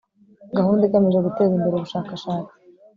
gahunda igamije guteza imbere ubushakashatsi